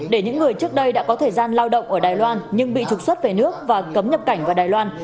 để những người trước đây đã có thời gian lao động ở đài loan nhưng bị trục xuất về nước và cấm nhập cảnh vào đài loan